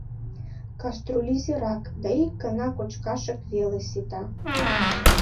Каструль изирак да ик гана кочкашак веле сита.